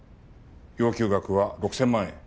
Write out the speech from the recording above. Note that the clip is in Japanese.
要求額は６０００万円。